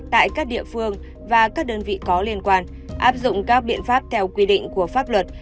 tại các địa phương và các đơn vị có liên quan áp dụng các biện pháp theo quy định của pháp luật